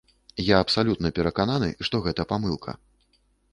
Я абсалютна перакананы, што гэта памылка.